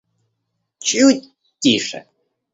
Чуть тише